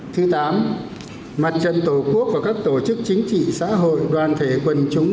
thứ tám mặt trận tổ quốc và các tổ chức chính trị xã hội đoàn thể quần chúng